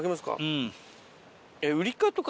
うん。